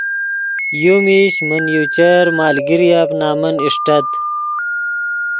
یو میش من یو چر مالگیریف نمن اݰٹت